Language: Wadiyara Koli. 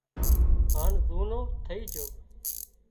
هانَ زُونو ٿئي جھو